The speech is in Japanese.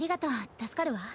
助かるわ。